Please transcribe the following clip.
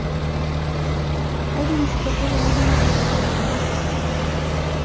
هذه ستكون مهمة خطيرة جداً.